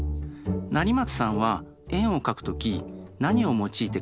成松さんは円を描く時何を用いて描きましたか？